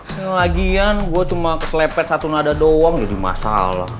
yang lagian gue cuma keslepet satu nada doang jadi masalah